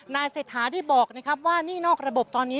นายเสถาที่บอกว่านี่นอกระบบตอนนี้